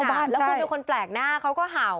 แล้วคุณเป็นคนแปลกหน้าเขาก็เห่า